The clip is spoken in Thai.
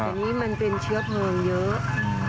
แต่นี่มันเป็นเชื้อเพลิงเยอะ